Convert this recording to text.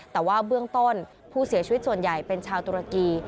แต่ว่าเบื้องต้นผู้เสียชีวิตส่วนใหญ่เป็นชาวตุรกี